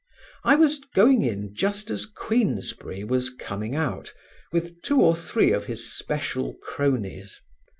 I was going in just as Queensberry was coming out with two or three of his special cronies.